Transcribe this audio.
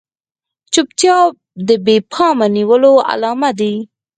چوپتيا د بې پامه نيولو علامه ده.